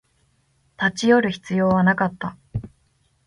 立ち寄る必要はなかった